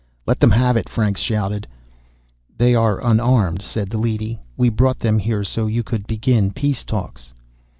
"Let them have it!" Franks shouted. "They are unarmed," said the leady. "We brought them here so you could begin peace talks."